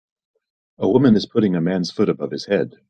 A woman is putting a man 's foot above his head.